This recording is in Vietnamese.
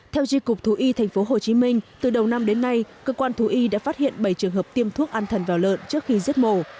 theo tri cục thú y thành phố hồ chí minh từ đầu năm đến nay cơ quan thú y đã phát hiện bảy trường hợp tiêm thuốc ăn thần vào lợn trước khi giết mổ